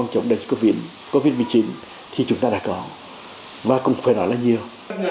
trọng covid một mươi chín thì chúng ta đã có và cũng phải nói là nhiều